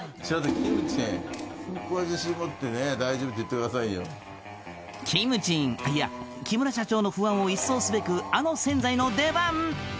きむちんいや木村社長の不安を一掃すべくあの洗剤の出番